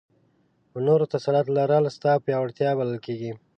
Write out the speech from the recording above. په نورو تسلط لرل ستا پیاوړتیا بلل کېږي.